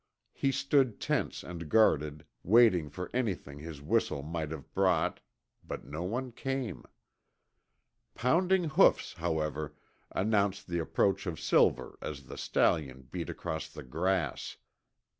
He stood tense and guarded, waiting for anything his whistle might have brought, but no one came. Pounding hoofs, however, announced the approach of Silver as the stallion beat across the grass.